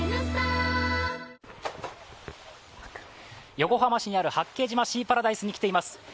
横浜市にある八景島シーパラダイスに来ています。